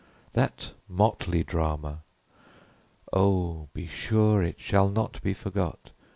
That motley drama! oh, be sure It shall not be forgot!